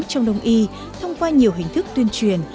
trong đông y thông qua nhiều hình thức tuyên truyền